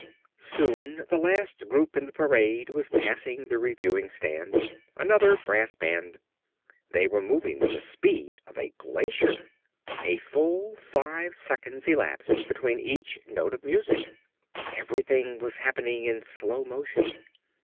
Soon the last group in the parade was passing the reviewing stand. Another brass band. They were moving with the speed of a glacier. A full five seconds elapsed between each note of music. Everything was happening in slow motion.